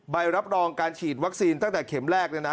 ใบรับรองการฉีดวัคซีนตั้งแต่เข็มแรกเนี่ยนะ